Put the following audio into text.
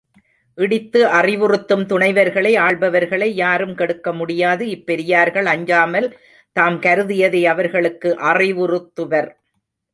இடித்து அறிவுறுத்தும் துணைவர்களை ஆள்பவர்களை யாரும் கெடுக்க முடியாது இப் பெரியவர்கள் அஞ்சாமல் தாம் கருதியதை அவர்களுக்கு அறிவுறுத்துவர்.